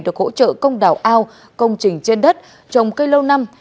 được hỗ trợ công đảo ao công trình trên đất trồng cây lâu năm